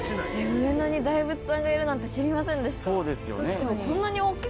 上野に大仏さんがいるなんて知りませんでした。